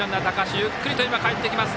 今、ゆっくりとかえってきます。